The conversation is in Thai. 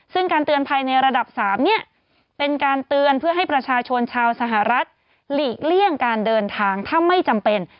ซึ่งการเตือนภัยในระดับ๓เนี่ยเป็นการเตือนเพื่อให้ประชาชนชาวสหรัฐหลีกเลี่ยงการเดินทางถ้าไม่จำเป็น